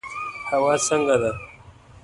هوا څنګه ده؟